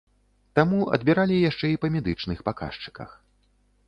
Таму адбіралі яшчэ і па медычных паказчыках.